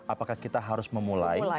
apakah kita harus memulai